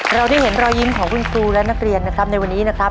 เราได้เห็นรอยยิ้มของคุณครูและนักเรียนนะครับในวันนี้นะครับ